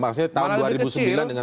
maksudnya tahun dua ribu sembilan dengan